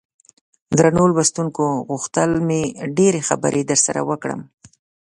درنو لوستونکو غوښتل مې ډېرې خبرې درسره وکړم.